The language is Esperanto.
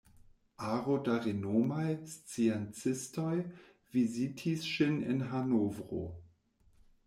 Aro da renomaj sciencistoj vizitis ŝin en Hanovro.